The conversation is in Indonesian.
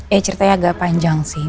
ya ceritanya agak panjang sih